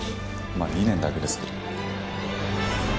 まあ２年だけですけど。